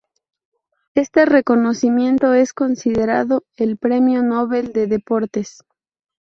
Este reconocimiento es considerado el Premio Nobel de Deportes.